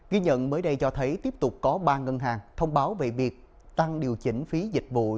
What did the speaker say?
ghi nhận mới đây cho thấy tiếp tục có ba ngân hàng thông báo về việc tăng điều chỉnh phí dịch vụ